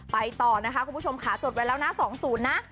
ไปต่อนะคะคุณผู้ชมค่ะจดไว้แล้วนะ๒๐นะ